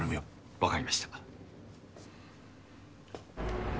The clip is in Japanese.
わかりました。